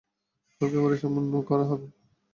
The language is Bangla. হালকা করে সামান্য কঁরা হবে।